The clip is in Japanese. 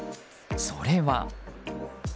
それは。